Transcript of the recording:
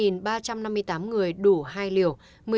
một trăm ba mươi năm ba trăm năm mươi tám người đủ hai liều một mươi sáu năm